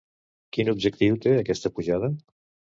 Quin objectiu té aquesta pujada?